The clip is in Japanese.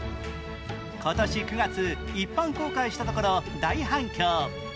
今年９月、一般公開したところ大反響。